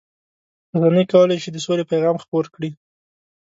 رسنۍ کولای شي د سولې پیغام خپور کړي.